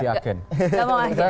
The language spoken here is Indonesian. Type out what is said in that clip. saya enggak mau jadi agen